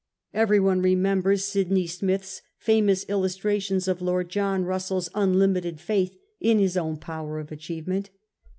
Everyone remembers Sydney Smith's famous illustrations of Lord John Russell's unlimited faith in Ms own power of acMevement.